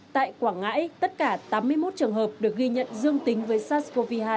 tại quảng ngãi tất cả tám mươi một trường hợp được ghi nhận dương tính với sars cov hai